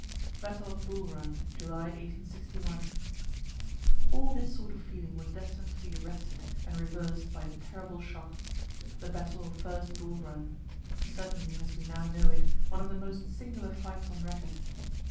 BATTLE OF BULL RUN, JULY, 1861 All this sort of feeling was destin'd to be arrested and revers'd by a terrible shock the battle of first Bull Run certainly, as we now know it, one of the most singular fights on record.